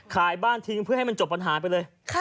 ขายบ้านทิ้งเพื่อให้มันจบปัญหาไปเลย